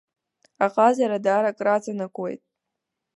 Аҟазара даара краҵанакуеит.